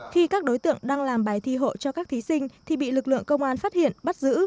khi các đối tượng đang làm bài thi hộ cho các thí sinh thì bị lực lượng công an phát hiện bắt giữ